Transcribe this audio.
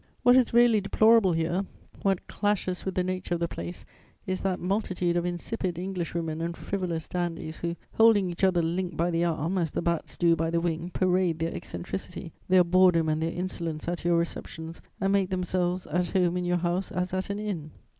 "What is really deplorable here, what clashes with the nature of the place is that multitude of insipid Englishwomen and frivolous dandies who, holding each other linked by the arm, as the bats do by the wing, parade their eccentricity, their boredom and their insolence at your receptions, and make themselves at home in your house as at an inn.